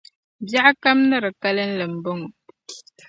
Biɛɣukam ni di kalinli m-bɔŋɔ;